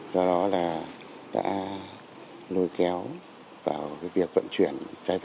do đó là đã lôi kéo vào việc vận chuyển